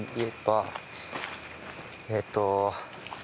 えっと。